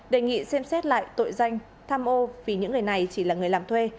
đề nghị xem xét lại tội danh tham ô vì những người này chỉ là người làm thuê